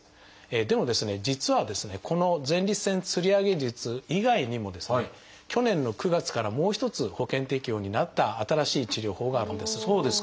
でもですね実はですねこの前立腺吊り上げ術以外にもですね去年の９月からもう一つ保険適用になった新しい治療法があるんです。